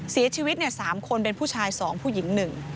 เสียชีวิต๓คนเป็นผู้ชาย๒ผู้หญิง๑